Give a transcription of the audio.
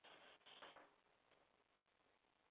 دومره وي چې څوک به يې له ځايه پورته نه کړای شي.